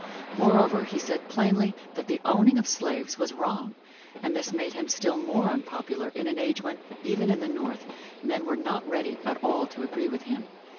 Moreover, he said plainly that the owning of slaves was wrong, and this made him still more unpopular in an age when, even in the North, men were not ready at all to agree with him.